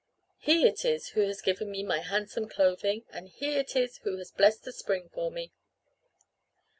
He it is who has given me my handsome clothing and he it is who has blessed the spring for me."